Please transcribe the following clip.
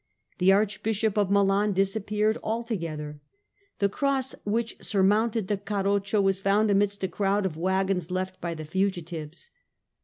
The Archbishop of Milan disappeared altogether. The cross which surmounted the Carroccio was found amidst a crowd of wagons left by the fugitives.